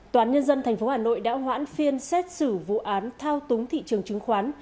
tòa án nhân dân tp hà nội đã hoãn phiên xét xử vụ án thao túng thị trường chứng khoán